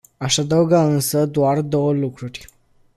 Aș adăuga însă doar două lucruri.